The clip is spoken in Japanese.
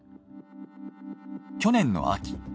去年の秋